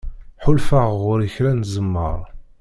Ḥulfaɣ ɣur-i kra n tzemmar.